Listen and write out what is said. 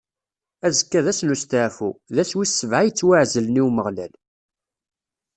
Azekka d ass n usteɛfu, d ass wis sebɛa yettwaɛezlen i Umeɣlal.